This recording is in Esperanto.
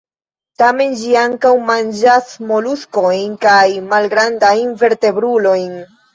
Tamen, ĝi ankaŭ manĝas moluskojn kaj malgrandajn vertebrulojn.